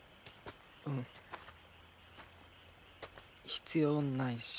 必要ないし。